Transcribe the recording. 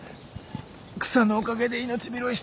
草のおかげで命拾いした。